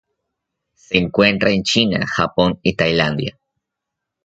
Se encuentra en China, Japón y Tailandia.